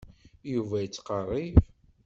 Yuba yettqerrib.